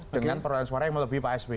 dengan perolahan suara yang melebihi pak sby